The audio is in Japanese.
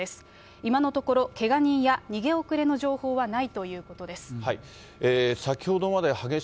今のところ、けが人や逃げ遅れなどの情報はないということです。